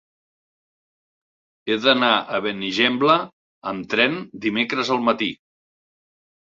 He d'anar a Benigembla amb tren dimecres al matí.